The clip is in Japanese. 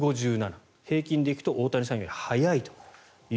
平均で行くと大谷選手より速いと。